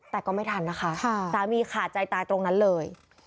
แต่ก็ไม่ทันนะคะสามีขาดใจตายตรงนั้นเลย